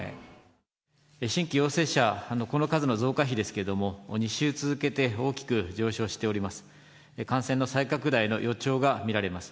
新規陽性者の、この数の増加比ですけれども、２週続けて大きく上昇しております。